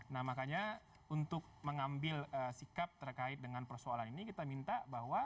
nah makanya untuk mengambil sikap terkait dengan persoalan ini kita minta bahwa